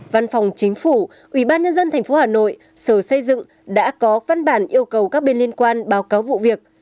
văn phòng chính phủ ủy ban nhân dân tp hà nội sở xây dựng đã có văn bản yêu cầu các bên liên quan báo cáo vụ việc